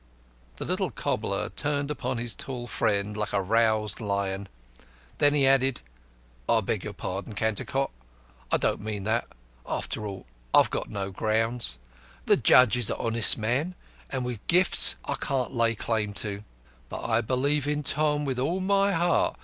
The little cobbler turned upon his tall friend like a roused lion. Then he added, "I beg your pardon, Cantercot, I don't mean that. After all, I've no grounds. The judge is an honest man, and with gifts I can't lay claim to. But I believe in Tom with all my heart.